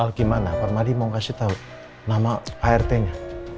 al gimana parmadi mau kasih tahu nama art nya